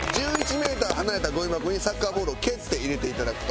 メーター離れたゴミ箱にサッカーボールを蹴って入れて頂くと。